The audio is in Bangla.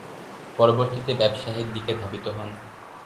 পরবর্তীতে ব্যবসায়ের দিকে ধাবিত হন।